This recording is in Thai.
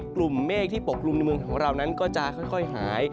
กลุ่มเมฆที่ปกลุ่มในเมืองของเรานั้นก็จะค่อยหาย